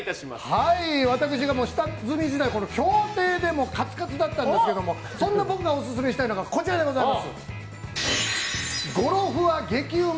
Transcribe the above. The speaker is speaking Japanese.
私が下積み時代競艇でカツカツだったんですけどそんな僕がオススメしたいのがゴロふわ激ウマ！